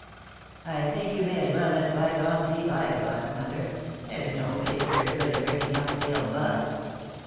" I think you may as well let bygones be bygones, mother. There's no particular good in raking up stale mud."